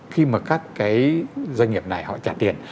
khi mà các cái doanh nghiệp này họ trả tiền